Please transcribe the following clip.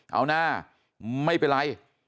เอาหน้าไม่เป็นไร